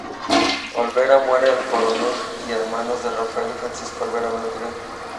Olvera, muere el coronel y hermano de Rafael, Francisco Olvera Madrigal.